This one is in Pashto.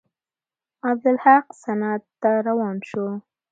عبدالحق سند ته روان شو.